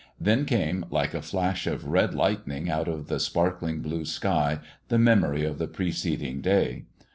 Then came, like a flash of red lightning out of the sparkling blue sky, the memory of the preceding day.